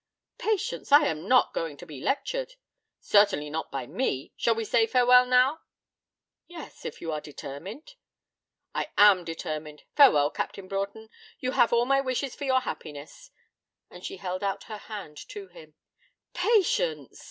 'Patience, I am not going to be lectured.' 'Certainly not by me. Shall we say farewell now?' 'Yes, if you are determined.' 'I am determined. Farewell, Captain Broughton. You have all my wishes for your happiness.' And she held out her hand to him. 'Patience!'